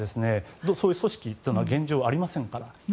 そういう組織が現状ありませんから。